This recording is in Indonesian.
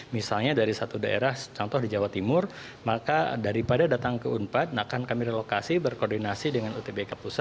misalnya dari satu daerah contoh di jawa timur maka daripada datang ke unpad akan kami relokasi berkoordinasi dengan utbk pusat